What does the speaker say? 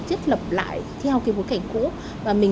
chất lập lại theo cái bối cảnh cũ và mình